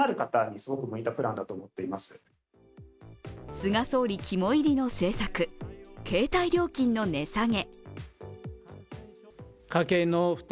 菅総理肝いりの政策携帯料金の値下げ。